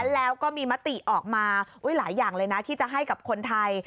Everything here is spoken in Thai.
แล้วก็มีมติออกมาหลายอย่างเลยนะที่จะให้กับคนไทย